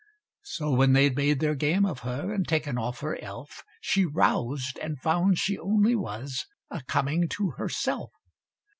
So when they'd made their game of her, And taken off her elf, She roused, and found she only was A coming to herself.